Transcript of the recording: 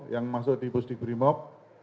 yang masuk di pusdik brimob